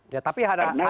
ya tapi ada pembatasan apa